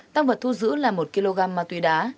tăng vật thu giữ là một kg ma túy đá